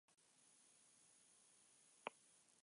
Otra posibilidad es recorrer las iglesias de la ciudad.